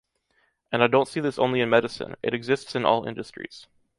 And I don't see this only in medicine. It exists in all industries